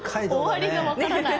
終わりがわからない。